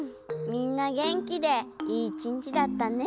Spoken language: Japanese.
みんなげんきでいい１にちだったね。